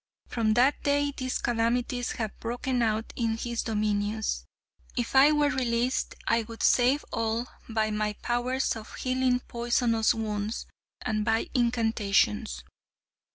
From that day these calamities have broken out in his dominions. If I were released I would save all by my powers of healing poisonous wounds and by incantations.'